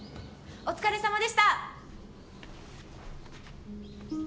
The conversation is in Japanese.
お疲れさまでした！